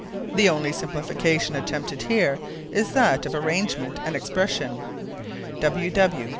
The only simplification attempted here is that of arrangement and expression. W.W.